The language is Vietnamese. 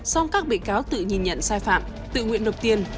song các bị cáo tự nhìn nhận sai phạm tự nguyện nộp tiền